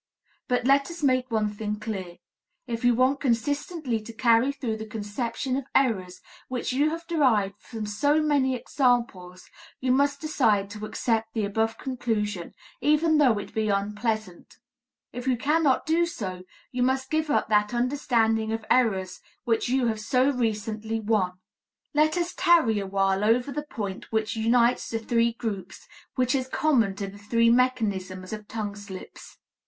But let us make one thing clear: if you want consistently to carry through the conception of errors which you have derived from so many examples, you must decide to accept the above conclusion, even though it be unpleasant. If you cannot do so, you must give up that understanding of errors which you have so recently won. Let us tarry a while over the point which unites the three groups, which is common to the three mechanisms of tongue slips.